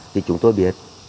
thì chúng tôi biết